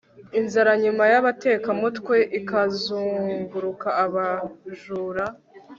inzara nyuma yabatekamutwe ikazunguruka abajura